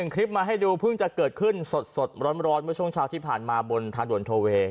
คลิปมาให้ดูเพิ่งจะเกิดขึ้นสดร้อนเมื่อช่วงเช้าที่ผ่านมาบนทางด่วนโทเวย์